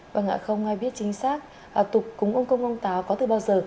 vâng ạ không ai biết chính xác tục cúng ông công ông táo có từ bao giờ